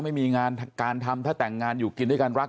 ไม่มีงานการทำถ้าแต่งงานอยู่กินด้วยกันรัก